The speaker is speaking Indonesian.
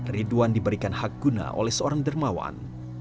ridwan diberikan hak guna oleh seorang dermawan